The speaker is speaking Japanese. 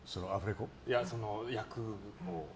役を。